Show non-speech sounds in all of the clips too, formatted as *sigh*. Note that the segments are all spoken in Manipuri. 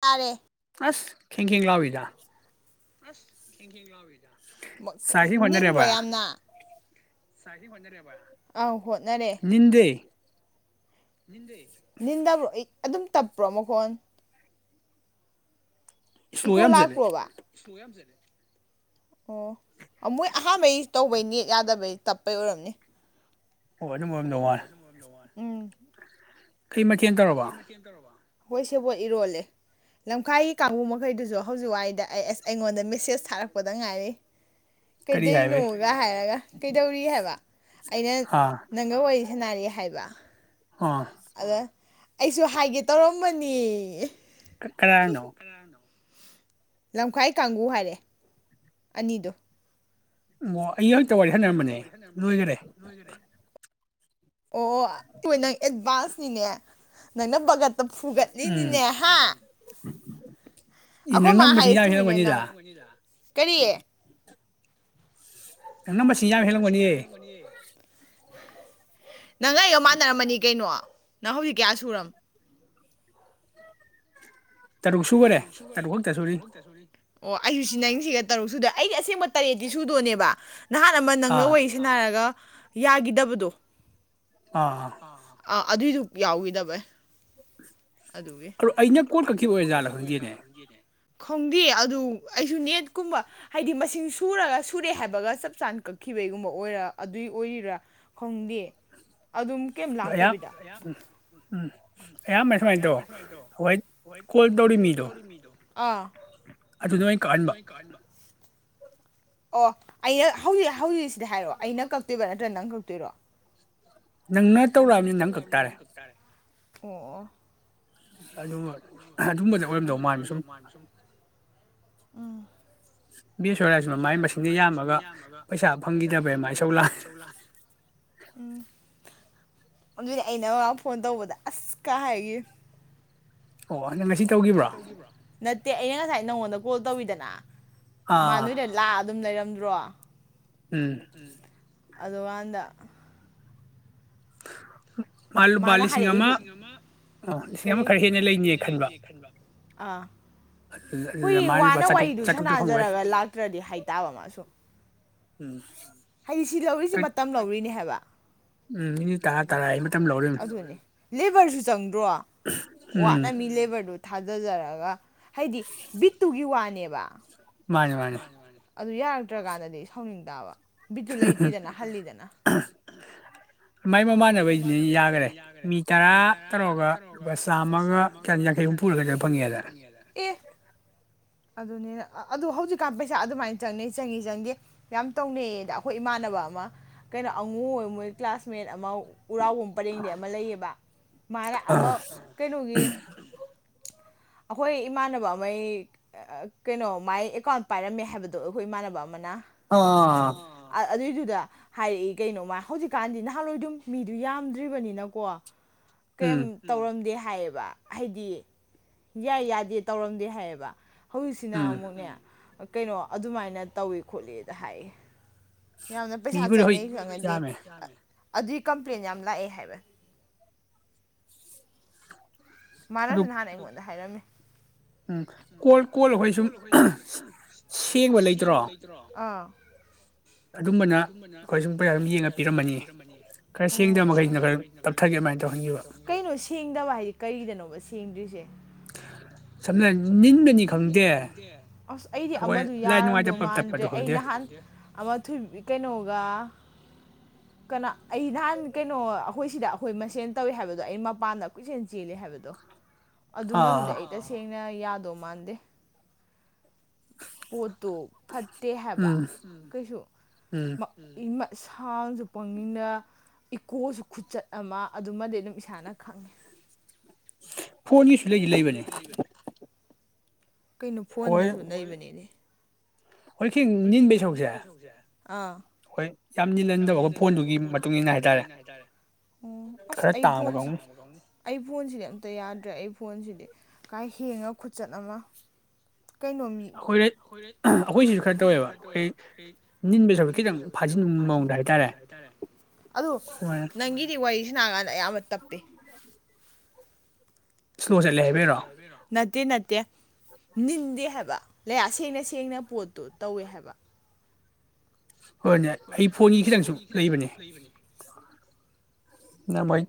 ꯇꯥꯔꯦ ꯑꯁ ꯈꯤꯡ ꯈꯡ ꯂꯥꯎꯕꯤꯗ ꯑꯁ ꯈꯈꯤꯤꯡ ꯈꯤ ꯂꯥꯎꯑꯣ ꯅꯤꯟ ꯔꯣ ꯌꯥꯝꯅ ꯖ ꯑ ꯗꯦ ꯕ ꯑꯗꯨꯝ ꯇꯞꯄ꯭ꯔꯣ ꯃꯈꯣꯟ ꯏꯀꯣ ꯂꯥꯛꯄ꯭ꯔꯣꯕꯥ ꯑꯣ ꯃꯣꯏ ꯑꯍꯥꯟꯕꯩ ꯇꯧꯕꯩ ꯅꯦꯛꯦꯛ ꯌꯥꯗꯕꯩ ꯇꯞꯄꯩ ꯑꯣꯏꯔꯝꯅꯤ ꯍ ꯑꯗꯨꯝ ꯑꯗꯨꯝ ꯅꯨꯡꯉ ꯀꯩ ꯃꯀꯦꯜ ꯇꯧꯔꯕ ꯍꯣꯏ ꯁꯦꯕꯣꯠ ꯏꯔꯣꯜꯂꯦ ꯂꯝꯈꯥꯏꯒꯤ ꯀꯥꯡꯕꯨ ꯃꯈꯩꯗꯨꯁꯨ ꯍꯧꯖꯤꯛ ꯋꯥꯗ ꯑꯩ ꯑꯁ ꯑꯩꯉꯣꯟꯗ ꯃꯦꯁꯦꯁ ꯊꯥꯔꯛꯄꯗ ꯉꯥꯏꯔꯤ ꯀꯩꯗꯅꯣꯒ ꯍꯥꯏꯔꯒ ꯀꯩꯗꯧꯔꯤ ꯍꯥꯏꯕ ꯑꯩꯅ ꯅꯪꯒ ꯑꯣꯏ ꯁꯦꯅꯔꯦ ꯍꯥꯏꯕ ꯑꯥ ꯑꯩꯁꯨ ꯍꯥꯏꯒꯦ ꯇꯧꯔꯝꯕꯅꯤ ꯀꯅꯣ ꯂꯝꯈꯥꯏ ꯀꯥꯡꯒꯨ ꯍꯥꯏꯔꯦ ꯑꯅꯤꯗꯣ ꯎ ꯑꯣ ꯑꯩ ꯍꯦꯛꯇ ꯋꯥꯔꯤ ꯁꯥꯟꯅꯔꯝꯕꯅꯦ ꯂꯣꯏꯈꯔꯦ ꯑꯣ ꯑꯩ ꯅꯪ ꯑꯦꯗꯚꯥꯟꯁꯅꯤꯅꯦ ꯅꯩꯅꯕꯒ ꯐꯨꯒꯠꯂꯤꯅꯤꯅꯦ ꯍꯥ ꯑꯩꯈꯣꯏ ꯃꯥ ꯍꯥꯏꯔ ꯆꯨꯝꯃꯤꯅꯦ ꯅꯪ ꯀꯔꯤ ꯅꯪꯅ ꯃꯁꯤꯡ ꯌꯥꯝ ꯍꯦꯜꯂꯝꯒꯅꯤ *inaudible* ꯅꯪ ꯑꯩ ꯌ ꯃꯥꯟꯅꯔꯝꯃꯅꯤ ꯀꯩꯅꯣ ꯅꯪ ꯍꯧꯖꯤꯛ ꯀꯌꯥ ꯁꯨꯔꯔꯕ ꯇꯔꯨꯛ ꯁꯨꯈꯨꯔꯦ ꯇꯔꯨꯛ ꯈꯛꯇ ꯁꯨꯔꯤ ꯑꯣ ꯑꯩꯁꯨ ꯁꯤ ꯅꯅꯤꯡꯁꯤꯒ ꯇꯔꯨꯛ ꯁꯨꯗꯣꯏꯦ ꯑꯩꯒꯤ ꯑꯁꯦꯡꯕ ꯇꯔꯦꯠꯇꯤ ꯁꯨꯗꯣꯅꯦꯕ ꯅꯍꯥꯟ ꯑꯃ ꯅꯪꯒ ꯋꯥꯔꯤꯁꯅ ꯍꯥꯏꯔꯒ ꯌꯥꯒꯤꯗꯕꯗꯣ ꯑꯥ ꯑꯗꯨꯏꯗꯨ ꯌꯥꯎꯈꯤꯗꯕ ꯑꯗꯨꯒꯤ ꯑꯩꯅ ꯀꯣꯟ ꯈꯛꯀꯤ ꯑꯣꯏꯖꯥꯠꯂ ꯈꯪꯗꯦꯅꯦ ꯈꯣꯡꯗꯦ ꯑꯗꯨ ꯑꯩꯁꯨ ꯅꯦꯠꯀꯨꯝꯕ ꯍꯥꯏꯗꯤ ꯃꯁꯤꯡ ꯁꯨꯔꯒ ꯁꯨꯔꯦ ꯍꯥꯏꯕꯒ ꯆꯞ ꯆꯥꯅ ꯀꯛꯈꯤꯕꯒꯤꯒꯨꯝꯕ ꯑꯣꯏꯔ ꯑꯗꯨꯏ ꯑꯣꯏꯔꯤꯔꯥ ꯈꯪꯗꯦ ꯑꯗꯨꯝ ꯀꯩꯝ ꯂꯥꯛꯇꯕꯤꯗ ꯎꯝ ꯑꯌꯥꯝꯃꯦ ꯁꯨꯃꯥꯏꯅ ꯇꯧ ꯇꯧꯔꯤ ꯃꯤꯗꯣ ꯑꯥ ꯑꯗꯨ ꯑꯗꯨꯅ ꯃꯥ ꯀꯟꯕ ꯑꯣ ꯑꯩ ꯍꯧꯖꯤꯛ ꯍꯧꯖꯤꯛ ꯁꯤꯗꯤ ꯍꯥꯏꯔꯣꯑꯣ ꯑꯩꯅ ꯀꯛꯇꯣꯏꯕ ꯅ ꯑꯗꯨ ꯅꯪ ꯀꯧꯇꯔꯣ ꯅꯪꯅ ꯇꯧꯔꯛꯑꯕꯅꯤ ꯅꯪ ꯀꯛ ꯇꯥꯔꯦ ꯑꯣ ꯑꯗꯨ ꯑꯗꯨꯝꯕꯗ ꯑꯣꯏꯔꯝꯗꯧ ꯃꯥ ꯁꯨꯝ ꯎꯝ ꯕꯤꯁ ꯍꯔꯁꯤꯅ ꯃꯥꯏ ꯃꯁꯤꯡꯗ ꯌꯥꯝꯃꯒ ꯄꯩꯁꯥ ꯐꯪꯈꯤꯗꯕꯩ ꯃꯥꯏ ꯆꯧ ꯂꯥꯛ ꯎ ꯑꯗꯨꯗꯤ ꯑꯩꯅ ꯐꯣꯟ ꯇꯧꯕꯗ ꯑꯁ ꯀꯥ ꯍꯥꯏꯒꯦ ꯑꯣ ꯅꯗꯪ ꯉꯁꯤ ꯇꯧꯈꯤꯕ꯭ꯔꯣ ꯦ ꯑꯩꯅ ꯉꯁꯥꯏ ꯅꯪꯉꯣꯟꯗ ꯀꯣꯜ ꯇꯧꯋꯤꯗꯅ ꯃꯥꯟꯅꯣꯏꯗ ꯂꯥꯛ ꯑꯗꯨꯝ ꯂꯩꯔꯝ ꯄꯟꯗ꯭ꯔ ꯎꯝ ꯑꯗꯨ ꯋꯥꯗ ꯍ ꯃꯥꯅ ꯍꯥꯏꯔꯛꯏ ꯂꯤꯁꯤꯡ ꯑꯃ ꯀꯔꯤ ꯂꯤꯁꯤꯡ ꯑꯃ ꯈꯔ ꯍꯦꯟꯅ ꯂꯩꯅꯤ ꯈꯟꯕ ꯑꯥ ꯍꯨꯏ ꯋꯥꯅ ꯋꯥꯔꯤꯗꯨ ꯁꯥꯟꯅꯥꯖꯔꯒ ꯂꯥꯛꯇ꯭ꯔꯗꯤ ꯍꯥꯏꯇꯥꯕ ꯃꯥꯁꯨ ꯎꯝ ꯍꯥꯏꯗꯤ ꯁꯤ ꯂꯧꯔꯤꯁꯦ ꯃꯇꯝ ꯂꯧꯔꯤꯅꯦ ꯍꯥꯏꯕ ꯑꯗꯨꯅꯤ ꯂꯦꯕꯔꯁꯨ ꯆꯪꯗ꯭ꯔꯣ ꯋꯥꯅ ꯃꯤ ꯂꯦꯕꯔꯗꯨ ꯊꯥꯗꯖꯔꯒ ꯍꯥꯏꯗꯤ ꯕꯤꯠꯇꯨꯒꯤ ꯋꯥꯅꯦꯕ ꯕꯁ ꯃꯥꯅꯤ ꯃꯥꯅꯤ ꯑꯗꯨ ꯌꯥꯔꯛꯇ꯭ꯔꯀꯥꯟꯗꯗꯤ ꯁꯥꯎꯅꯤꯡ ꯇꯥꯕ ꯕꯤꯠꯇꯨ ꯂꯩꯇꯦꯗꯅ ꯍꯜꯂꯤꯗꯅ ꯃꯥꯏ ꯃꯃꯥꯟꯅꯕꯩꯁꯤꯅ ꯌꯥꯈꯔꯦ ꯃꯤ ꯇꯔꯥ ꯇꯧꯔꯒ ꯂꯨꯄꯥ ꯆꯥꯝꯃꯒ ꯌꯥꯡꯈꯩ ꯍꯨꯝꯐꯨꯔ ꯀꯩꯅꯣ ꯐꯪꯉꯦꯗꯅ ꯑꯗꯨꯅꯤꯅ ꯑꯗꯨ ꯍꯧꯖꯤꯛꯀꯥꯟ ꯄꯩꯁꯥ ꯑꯗꯨꯃꯥꯏꯅ ꯆꯪꯅꯩ ꯆꯪꯏ ꯆꯪꯗꯦ ꯌꯥꯝ ꯇꯧꯅꯩꯌꯦꯗ ꯑꯩꯈꯣꯏ ꯏꯃꯥꯟꯅꯕ ꯑꯃ ꯀꯩꯅꯣ ꯑꯉꯨ ꯑꯣꯏ ꯃꯣꯏ ꯀ꯭ꯂꯥꯁꯃꯦꯠ *unintelligible* ꯎꯔꯥꯎꯕꯨꯝ ꯄꯔꯦꯡꯗꯒꯤ ꯑꯃ ꯂꯩꯌꯦꯕ ꯃꯥꯅ ꯑꯃ ꯀꯩꯅꯣꯒꯤ ꯑꯩꯈꯣꯏ ꯏꯃꯥꯟꯅꯕ ꯑꯃ ꯀꯩꯅꯣ ꯃꯥꯏ ꯑꯦꯀꯥꯎꯟ ꯄꯥꯏꯔꯝꯃꯦ ꯍꯥꯏꯕꯗꯣ ꯑꯩꯈꯣꯏ ꯏꯃꯥꯟꯅꯕ ꯑꯃꯅ ꯑꯥ ꯑꯗꯨꯏꯗꯨꯗ ꯍꯥꯏꯔꯛꯏ ꯀꯩꯅꯣ ꯃꯥꯥꯏ ꯍꯧꯖꯤꯛꯀꯥꯟꯗꯤ ꯅ ꯊꯂꯣꯏꯗꯨꯝ ꯃꯤꯗꯨ ꯌꯥꯝꯗ꯭ꯔꯤꯕꯅꯤꯅꯀꯣ ꯀꯩꯝ ꯇꯧꯔꯝꯗꯦ ꯍꯥꯏꯌꯦꯕ ꯍꯥꯏꯗꯤ ꯌꯥꯏ ꯌꯥꯗꯦ ꯇꯧꯔꯝꯗꯦ ꯍꯥꯏꯌꯦꯕ ꯍꯧꯛꯖꯤꯛꯁꯤꯅ ꯑꯃꯨꯛꯅꯦ ꯀꯩꯅꯣ ꯑꯗꯨꯃꯥꯏꯅ ꯇꯧꯋꯤ ꯈꯣꯠꯂꯤꯗ ꯍꯥꯏꯌꯦ ꯌꯥꯝꯅ ꯄꯩꯁꯥ ꯆꯪꯅꯩ ꯈꯪꯉꯗꯤ ꯑꯗꯨꯒꯤ ꯀꯝꯄ꯭ꯂꯦꯟ ꯌꯥꯝ ꯂꯥꯛꯑꯦ ꯍꯥꯏꯕ ꯃꯥꯅꯁꯨ ꯅꯍꯥꯟꯅ ꯑꯩꯉꯣꯟꯗ ꯍꯥꯏꯔꯝꯃꯤ ꯎꯝ ꯀꯣꯜ ꯀꯣꯜ ꯑꯩꯈꯣꯏ ꯁꯨꯝ ꯁꯦꯡꯕ ꯂꯩꯇ꯭ꯔꯣ ꯑꯥ ꯑꯗꯨꯝꯕꯅ ꯑꯩ ꯁ ꯑꯗꯨ ꯌꯦꯡꯉ ꯄꯤꯔꯝꯃꯅꯤ ꯀꯩꯅꯣ ꯁꯦꯡꯗꯕ ꯍꯥꯏꯗꯤ ꯇ ꯁꯦꯡꯗꯔꯤꯁꯦ ꯑꯁ ꯑꯩꯗꯤ ꯑꯃꯗꯨ ꯌꯥꯔꯝꯗꯣ ꯃꯥꯟꯗ꯭ꯔꯦ ꯑꯩ ꯅꯍꯥꯟ ꯑꯃ ꯊꯣꯏ ꯀꯩꯅꯣꯒ ꯀꯅꯥ ꯑꯩ ꯅꯍꯥꯟ ꯀꯩꯅꯣ ꯑꯩꯈꯣꯏ ꯁꯤꯗ ꯑꯩꯈꯣꯏ ꯃꯁꯦꯟ ꯇꯧꯋꯤ ꯍꯥꯏꯕꯗꯣ ꯑꯩ ꯃꯄꯥꯟꯗ ꯀꯣꯏꯁꯦꯟ ꯆꯦꯜꯂꯦ ꯍꯥꯏꯕꯗꯣ ꯑꯗꯨꯃꯗꯨꯗꯤ ꯑꯩ ꯇꯁꯦꯡꯅ ꯌꯥ ꯃ ꯍ ꯇꯣ ꯐꯠꯇꯦ ꯍꯥꯏꯕ ꯀꯩꯁꯨ ꯁꯥꯎꯟꯁꯨ ꯄꯪꯅꯤꯡꯅ ꯏꯀꯣꯁꯨ ꯈꯨꯆꯠ ꯑꯃ ꯑꯗꯨꯃꯗꯤ ꯑꯗꯨꯝ ꯏꯁꯥꯅ ꯈꯪꯉꯦ ꯐꯣꯟꯅꯤꯁꯨ ꯂꯩ ꯂꯩꯕꯅꯤ ꯀꯩꯅꯣ ꯐꯣꯟꯗꯁꯨ ꯂꯩꯕꯅꯤꯅꯦ *inaudible* ꯍꯣꯏ ꯅꯤꯟꯕꯩ ꯁꯁꯦ ꯍꯣꯏ ꯌꯥꯝ ꯅꯤꯍꯟꯗꯕ ꯐꯣꯟꯗꯨꯒꯤ ꯍꯥꯏꯇꯥꯔꯦ ꯑꯁ ꯑꯩ ꯐꯣꯟꯁꯤꯗꯤ ꯑꯝꯇ ꯌꯥꯗ꯭ꯔꯦ ꯑꯩ ꯐꯣꯟꯁꯤꯗꯤ ꯀꯥꯏ ꯍꯦꯡꯉ ꯈꯨꯆꯠ ꯑꯃ ꯑꯩꯈꯣꯏ ꯑꯩꯈꯣꯏꯁꯤꯁꯨ ꯈ ꯑꯩꯈꯣꯏꯁꯤꯁꯨ ꯈꯔ ꯇꯧꯋꯦꯕꯕ ꯈꯤꯇꯪ ꯐꯥꯖꯤꯟꯕ ꯃꯑꯣꯡꯗ ꯍꯥꯏꯇꯥꯔꯦ ꯑꯗ ꯅꯪꯒꯤꯗꯤ ꯋꯥꯔꯤ ꯅꯥꯒꯥ ꯑꯌꯥꯝꯕ ꯇꯞꯄꯦ ꯁ ꯆꯂꯦ ꯍꯥꯏꯕꯤꯔꯣ ꯅꯠꯇꯦ ꯅꯠꯇꯦ ꯅꯤꯟꯗꯦ ꯍꯥꯏꯕ ꯂꯩꯌꯥ ꯁꯦꯡꯅ ꯁꯦꯡꯅ ꯄꯣꯠꯇꯨ ꯇꯧꯋꯦ ꯍꯥꯏꯕ ꯍꯣꯏꯅꯦ ꯑꯩ ꯐꯣꯟꯒꯤ ꯈꯤꯇꯪꯁꯨ ꯂꯩꯕꯅꯦ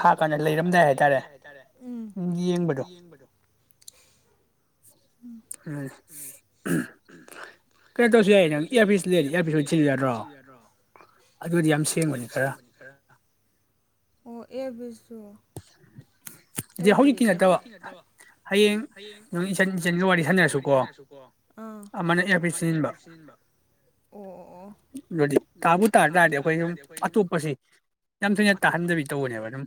ꯅꯪ ꯃꯣꯏ ꯊꯥꯛ ꯀꯥꯟꯗ ꯂꯩꯔꯝꯗꯥꯏ ꯍꯥꯏꯇꯥꯔꯦ ꯎ ꯌꯦꯡꯕꯗꯣ ꯍꯝ ꯀꯩꯅꯣ ꯇꯧꯁꯨ ꯌꯥꯏ ꯅꯪ ꯏꯌꯥꯔꯄꯤꯁ ꯂꯩꯔ ꯏꯌꯥꯔꯄꯤꯁ ꯂ ꯆꯤꯂ ꯌꯥꯗ꯭ꯔꯣ ꯑꯗꯨꯗꯤ ꯌꯥꯝ ꯁꯦꯝꯦꯡꯕꯅꯤ ꯈꯔ ꯑꯣ ꯍꯧꯖꯤꯛ ꯅꯠꯇꯕ ꯍꯌꯦꯡ ꯁꯅꯔꯁꯨꯀꯣꯅ ꯍꯥꯏꯐꯠ ꯁꯤꯖꯤꯟꯕ ꯑꯣ ꯑꯣ ꯑꯣ ꯑꯗꯨꯗꯤ ꯇꯥꯕꯨ ꯇꯥ ꯇꯥꯔꯗꯤ ꯑꯩꯈꯣꯏ ꯁꯨꯝ ꯇꯥꯍꯟꯗꯕꯤ ꯇꯧꯕꯅꯦꯕꯅ ꯑꯝ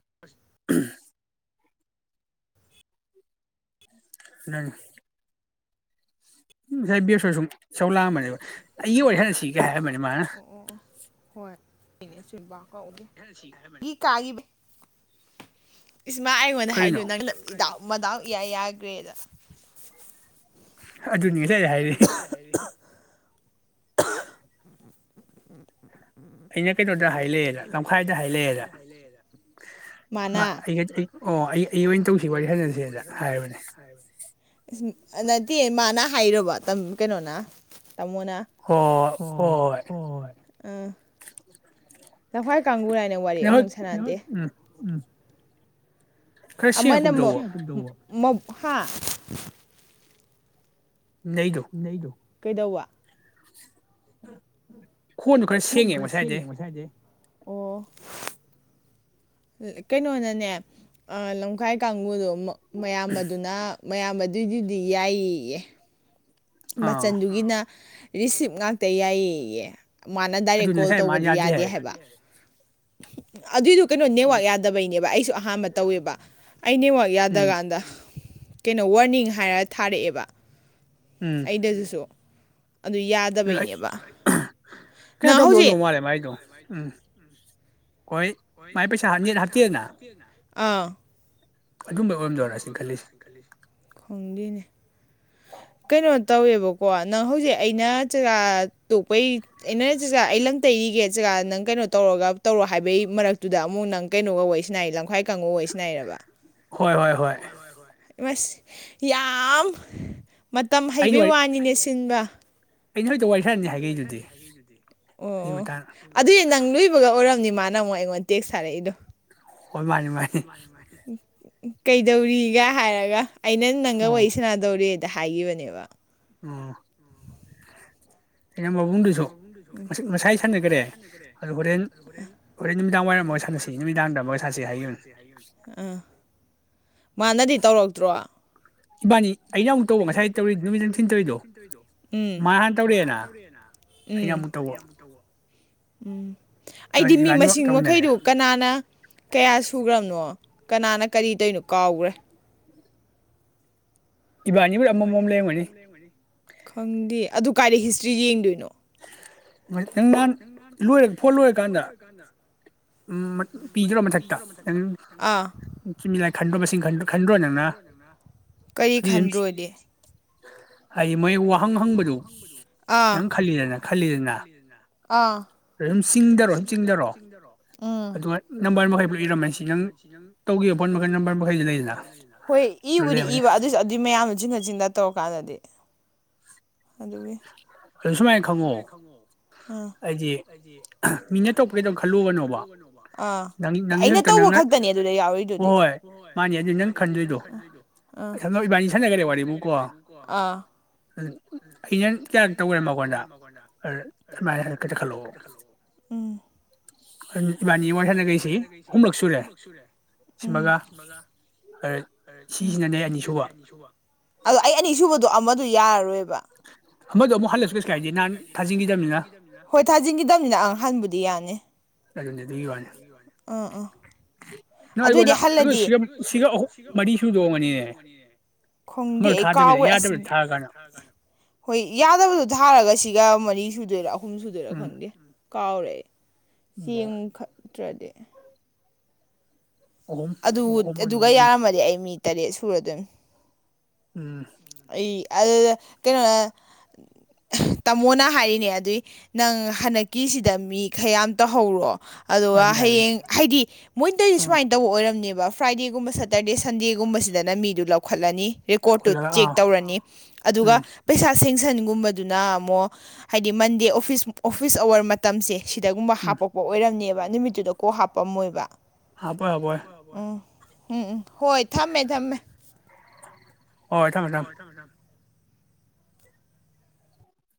ꯎ ꯍꯕ꯭ꯁꯁꯨꯝ ꯌꯥꯝꯅꯥ ꯇ ꯑꯣ ꯑꯣ ꯑꯣ ꯍꯣꯏꯅꯦ ꯑꯁꯕ ꯀꯛꯎꯒꯦ ꯏ ꯀꯥꯏꯕ ꯏꯁꯃꯥ ꯑꯩꯉꯣꯟꯗ ꯍꯥꯏꯗꯣ ꯅꯪꯅ ꯃꯗꯥꯎ ꯏꯌꯥ ꯌꯥꯒꯔ꯭ꯦ ꯅꯥ *unintelligible* ꯑꯗꯨꯅꯤ ꯂꯩ ꯍꯥꯏꯔꯤ ꯑꯩꯅ ꯀꯩꯅꯣꯗ ꯍꯥꯏ ꯂꯩꯛꯑꯦꯗ ꯇꯈꯥꯏꯗ ꯍꯥꯏꯂꯛꯑꯦꯗ ꯑꯣ ꯑꯩ ꯑꯩ ꯑꯣꯏꯅ ꯇꯧꯁꯤ ꯋꯥꯔꯤ ꯍꯁꯤꯗ ꯍꯥꯏꯅꯦ ꯅꯠꯇꯦ ꯃꯥꯅ ꯍꯥꯏꯔꯨꯔꯕ ꯀꯩꯅꯣꯅ ꯇꯥꯃꯣꯅ ꯍꯣꯏ ꯍꯣꯏ ꯎꯝ ꯂꯝꯈꯥꯏ ꯀꯥꯡꯕꯨ ꯅꯥꯏꯅ ꯋꯥꯔꯤ ꯑꯃꯨꯛ ꯁꯥꯟꯅꯗꯦ ꯑꯥꯏꯅꯃꯣꯛ *unintelligible* ꯍꯥ ꯅꯩꯗꯨ ꯀꯩꯗꯧꯕꯥ ꯈꯣꯟꯗꯨ ꯈꯔ ꯁꯦꯡꯉꯦ ꯉꯁꯥꯏ ꯍꯥꯏꯗ‌ꯦ ꯑꯣ ꯀꯩꯅꯣꯅꯅꯦ ꯑꯥ ꯂꯝꯈꯥꯏ ꯀꯥꯡꯕꯨꯗꯣ ꯃꯌꯥꯝꯕꯗꯨꯅ ꯃꯌꯥꯝ ꯑꯗꯨꯏꯗꯨꯗꯤ ꯌꯥꯏꯌꯦ ꯃꯆꯜꯗꯨꯒꯤꯅ ꯔꯤꯁꯤꯞ ꯉꯥꯛꯇ ꯌꯥꯏꯌꯦ ꯃꯥꯅ ꯗꯥꯏꯔꯦꯛ ꯀꯣꯜ ꯇꯧꯕꯗꯤ ꯌꯥꯗꯦ ꯍꯥꯏꯕ ꯑꯗꯨꯗꯤꯗꯨ ꯀꯩꯅꯣ ꯅꯦꯋꯥꯥꯛ ꯌꯥꯗꯕꯩꯟ ꯅꯦꯕ ꯑꯩꯁꯨ ꯑꯍꯥꯟꯕ ꯇꯧꯋꯦꯕ ꯑꯩ ꯅꯦꯠꯋꯥꯛ ꯌꯥꯗ ꯀꯥꯟꯗꯥ ꯀꯩꯅꯣ ꯋꯥꯔꯅꯤꯡ ꯍꯥꯏꯔ ꯊꯥꯔꯛꯑꯦꯕ ꯑꯩꯗꯁꯨ ꯑꯗꯨ ꯌꯥꯗꯕꯩꯅꯦꯕ ꯅꯪ ꯍꯧꯖꯤꯛ ꯍꯣꯏ ꯃꯥꯏ ꯄꯩꯁꯥ ꯅ‌ꯦꯠ ꯍꯞꯇ‌ꯦꯅ ꯑꯥ ꯈꯣꯡꯒꯤꯅꯦ ꯀꯩꯅꯣ ꯇꯧꯋꯦꯕ ꯀꯣ ꯅꯪ ꯍꯧꯖꯤꯛ ꯑꯩꯅ ꯆꯖꯥ ꯇꯣꯛꯄꯩ ꯑꯩꯅ ꯆꯖꯥ ꯑꯩ ꯂꯝ ꯇꯩꯔꯤꯒꯦ ꯆꯀꯥ ꯅꯪ ꯀꯩꯅꯣ ꯇꯧꯔꯒ ꯇꯧꯔꯣ ꯍꯥꯏꯕꯩ ꯃꯔꯛꯇꯨꯗ ꯑꯃꯨꯛ ꯅꯪ ꯀꯩꯅꯣ ꯀꯧꯋꯏ ꯁꯤꯅꯏ ꯂꯝꯈꯥꯏ ꯀꯥꯡꯉꯨ ꯋꯥꯔꯤ ꯁꯤꯅꯥꯏꯑ‌ꯦꯕ ꯍꯣꯏ ꯍꯣꯏ ꯑꯁ ꯌꯥꯝ ꯃꯇꯝ ꯍꯩꯕꯩ ꯋꯥꯅꯤꯅꯦ ꯁꯤꯟꯕ ꯑꯣ ꯑꯗꯨꯗꯤ ꯅꯪ ꯂꯣꯏꯕꯒ ꯑꯣꯏꯔꯝꯅꯤ ꯅꯥꯃꯨꯛ ꯑꯩꯉꯣꯟꯗ ꯇꯦꯛꯁ ꯊꯔꯛꯏꯗꯣ ꯍꯣꯏ ꯃꯥꯅꯤ ꯃꯥꯅꯤ ꯀꯩꯗꯧꯔꯤꯒ ꯍꯥꯏꯔꯒ ꯑꯩꯅ ꯅꯪꯒ ꯋꯥꯔꯤ ꯁꯥꯟꯅꯥꯗꯧꯔꯤ ꯍꯥꯏꯈꯝꯒꯤꯕꯅꯦꯕ ꯑꯥ ꯑꯩꯅ ꯃꯕꯨꯡꯗꯨꯁꯨ ꯉꯁꯥꯏ ꯁꯥꯟꯅꯈ꯭ꯔꯦ ꯑꯗꯨ ꯍꯣꯔꯦꯟ ꯍꯣꯔꯦꯟ ꯅꯨꯃꯤꯗꯥꯡ ꯋꯥꯏꯔꯝ ꯑꯃꯒ ꯁꯥꯟꯅꯁꯤ ꯅꯨꯃꯤꯗꯥꯡꯗ ꯑꯃꯒ ꯁꯥꯟꯅꯁꯤ ꯍꯥꯏꯈꯤꯕꯅꯤ ꯃꯥꯅꯗꯤ ꯇꯧꯔꯛꯇ꯭ꯔꯣ ꯎꯝ ꯎꯝ *inaudible* ꯑꯩꯗꯤ ꯃꯤ ꯃꯁꯤꯡ ꯃꯈꯩꯗꯨ ꯀꯅꯥꯅ ꯀꯌꯥ ꯁꯨꯈ꯭ꯔꯕꯅꯣ ꯀꯅꯥꯅ ꯀꯔꯤꯗꯩꯅꯣ ꯀꯥꯎꯈ꯭ꯔꯦ ꯈꯪꯗꯦ ꯑꯗꯨ ꯀꯥꯏꯗ ꯍꯤꯁꯇ꯭ꯔꯤ ꯌꯦꯡꯗꯣꯏꯅꯣ ꯅꯪ ꯅꯍꯥꯟ ꯂꯣꯏꯔ ꯐꯣꯜ ꯂꯣꯏꯔꯀꯥꯟꯗ ꯄꯤꯗ꯭ꯔꯣ ꯃꯊꯛꯇ ꯅꯪ ꯃꯤꯂꯥꯏ ꯈꯟꯗ꯭ꯔꯣ ꯃꯁꯤꯡ ꯈꯟꯗ꯭ꯔꯣ ꯅꯪꯅ ꯑꯗꯨꯏꯗꯤ ꯑꯗꯨ ꯑꯥ ꯑꯥ ꯎꯝ ꯏꯕꯨꯗꯤ ꯏꯕ ꯑꯗꯨꯏꯁꯨ ꯑꯗꯨꯏ ꯃꯌꯥꯝꯅ ꯆꯤꯟꯗ ꯆꯤꯟꯗ ꯇꯧꯔꯀꯥꯟꯗ *unintelligible* ꯑꯗꯨꯒꯤ ꯑꯩꯅ ꯇꯧꯕ ꯈꯛꯇꯅꯦ ꯑꯗꯨꯗ ꯌꯥꯎꯔꯤꯗꯨꯗꯤ ꯑ ꯅꯪ ꯀꯌꯥ ꯇꯧꯔꯝꯃ *unintelligible* ꯁꯨꯃꯥꯏꯅꯥ ꯈꯥꯛꯇ ꯈꯜꯂꯣꯕꯥ ꯑꯅꯤ ꯁꯕꯗꯣ ꯌꯥꯔꯣꯏꯕ ꯕ ꯍꯣꯏ ꯊꯥꯖꯤꯟꯈꯤꯗꯕꯅꯤꯅ ꯑꯟ__ ꯗꯤ ꯌꯥꯅꯦ ꯑꯥ ꯑꯥ ꯑꯗꯨꯏꯗꯤ ꯍꯜꯂꯗꯤ ꯈꯪꯗꯦ ꯑꯩ ꯀꯥꯎꯈ꯭ꯔꯦ ꯑꯁ ꯍꯣꯏ ꯌꯥꯗꯕꯗꯣ ꯊꯥꯔꯒ ꯁꯤꯒ ꯃꯔꯤ ꯁꯨꯗꯣꯏꯔꯥ ꯑꯍꯨꯝ ꯁꯨꯗꯣꯏꯔꯥ ꯈꯪꯗꯦ ꯀꯥꯎꯔꯦ ꯑꯩ ꯆꯦꯡꯈꯠꯇ꯭ꯔꯗꯤ ꯑꯗꯨ ꯑꯗꯨꯒ ꯌꯥꯔꯝꯃꯗꯤ ꯑꯩ ꯃꯤ ꯇꯔꯦꯠꯁꯦ ꯁꯨꯔꯗ ꯎꯝ ꯑꯩ ꯑꯗꯨꯗ ꯀꯩꯅꯣꯅ ꯇꯥꯃꯣꯅ ꯍꯥꯏꯔꯤꯅꯦ ꯑꯗꯨꯏ ꯅꯪ ꯍꯟꯗꯛꯀꯤꯁꯤꯗ ꯃꯤ ꯈꯌꯥꯝ ꯇꯧꯍꯧꯔꯣ ꯑꯗꯨꯒ ꯍꯌꯦꯡ ꯍꯥꯏꯗꯤ ꯃꯣꯏꯅꯗꯗꯤ ꯁꯨꯃꯥꯏꯅ ꯇꯧꯕ ꯑꯣꯏꯔꯝꯅꯦꯕ ꯐ꯭ꯔꯥꯏꯗꯦ ꯒꯨꯝꯕ ꯁꯦꯇꯔꯗꯦ ꯁꯟꯗꯦꯒꯨꯝꯕꯁꯤ ꯐꯗꯅ ꯃꯤꯗꯨ ꯂꯧꯈꯠꯂꯅꯤ ꯑꯦꯀꯣꯠꯨ ꯆꯦꯛ ꯇꯧꯔꯅꯤ ꯑꯗꯨꯒ ꯄꯩꯁꯥ ꯁꯦꯡꯁꯟꯒꯨꯝꯕꯗꯨꯅ ꯑꯃꯨꯛ ꯍꯥꯏꯗꯤ ꯃꯟꯗꯦ ꯑꯣꯐꯤꯁ ꯑꯣꯐꯤꯁ ꯑꯋꯥꯔ ꯃꯇꯝꯁꯦ ꯁꯤꯗꯒꯨꯝꯕ ꯍꯥꯄꯛꯄ ꯑꯣꯏꯔꯝꯅꯦꯕ ꯅꯨꯃꯤꯠꯇꯨꯗ ꯀꯣ ꯍꯥꯞꯄꯝꯃꯣꯏꯕ ꯍꯥꯕꯕ ꯎꯝ ꯍꯣꯏ ꯊꯝꯃꯦ ꯊꯝꯃꯦ ꯍꯣꯏ ꯊꯝꯃꯦ ꯊꯝꯃꯦ